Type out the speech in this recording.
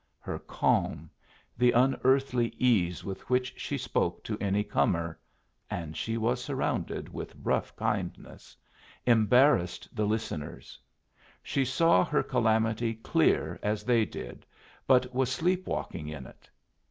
Her calm, the unearthly ease with which she spoke to any comer (and she was surrounded with rough kindness), embarrassed the listeners; she saw her calamity clear as they did, but was sleep walking in it.